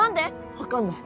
分かんない。